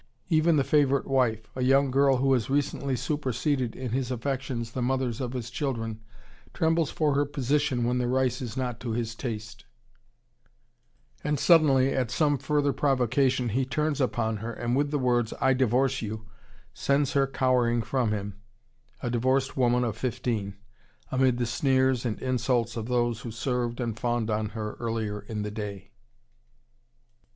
Even the favorite wife, a young girl who has recently superseded in his affections the mothers of his children, trembles for her position when the rice is not to his taste; and suddenly at some further provocation he turns upon her, and with the words, "I divorce you," sends her cowering from him, a divorced woman of fifteen, amid the sneers and insults of those who served and fawned on her earlier in the day.